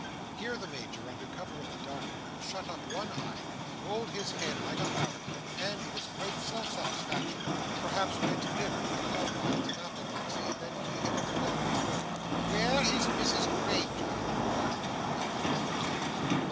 Here the Major, under cover of the dark room, shut up one eye, rolled his head like a Harlequin, and, in his great self satisfaction, perhaps went nearer to the confines of apoplexy than he had ever gone before. "Where is Mrs Granger?" inquired Cleopatra of her page.